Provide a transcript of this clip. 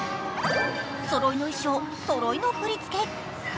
そろいの衣装、そろいの振り付け。